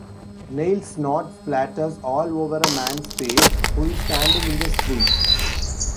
Neil's snot splatters all over a man's face who is standing in the street.